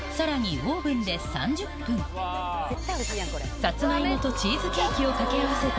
オーブンで３０分さつまいもとチーズケーキを掛け合わせた